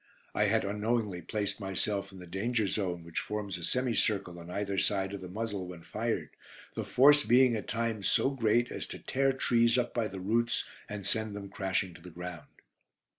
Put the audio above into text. I had unknowingly placed myself in the danger zone which forms a semi circle on either side of the muzzle when fired, the force being at times so great as to tear trees up by the roots and send them crashing to the ground.